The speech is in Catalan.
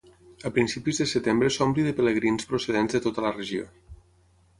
A principis de setembre s'omple de pelegrins procedents de tota la regió.